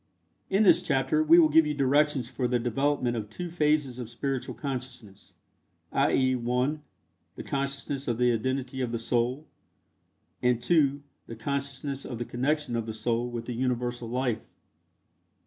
In this chapter we will give you directions for the development of two phases of spiritual consciousness, i.e., (1) the consciousness of the identity of the Soul, and (2) the consciousness of the connection of the Soul with the Universal Life.